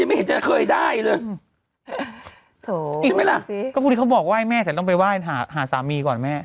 แล้วสิไม่ลางก็พูดเขาบอกว่าแม่ต้องไปไว้หนาหาสามีก่อนแม่